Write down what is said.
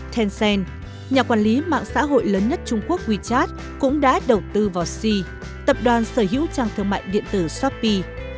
tencent nhà quản lý mạng xã hội lớn nhất trung quốc wechat cũng đã đầu tư vào x tập đoàn sở hữu trang thương mại điện tử shopee